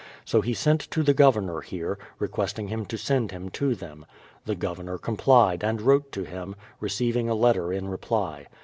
So he sent to the Governor here, requesting him to send him to them. The Governor complied, and wrote to him, receiving a letter in reply.